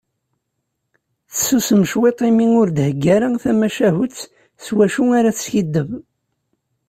Tessusem ciṭ imi ur d-thegga ara tamacahut s wacu ara teskiddeb.